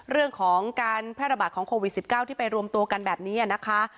เรื่องของการแพร่ระบาดของโควิด๑๙ที่ไปรวมตัวกันแบบนี้นะคะ